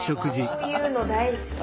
こういうの大好き。